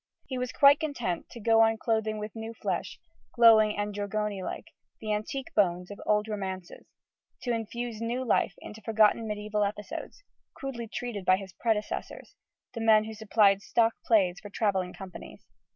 He was quite content to go on clothing with new flesh glowing and Giorgione like the antique bones of old romances; to infuse new life into forgotten mediæval episodes, crudely treated by his predecessors, the men who supplied stock plays for travelling companies.